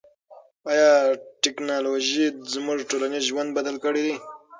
آیا ټیکنالوژي زموږ ټولنیز ژوند بدل کړی دی؟